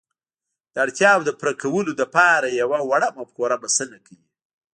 د اړتياوو د پوره کولو لپاره يوه وړه مفکوره بسنه کوي.